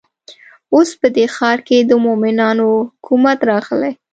اوس په دې ښار کې د مؤمنانو حکومت راغلی.